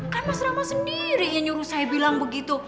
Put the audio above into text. kan mas rama sendiri yang nyuruh saya bilang begitu